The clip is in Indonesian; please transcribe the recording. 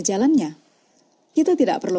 jalannya kita tidak perlu